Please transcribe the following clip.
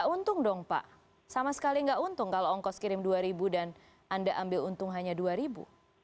tidak untung sama sekali kalau ongkot kirim rp dua dan anda ambil untung hanya rp dua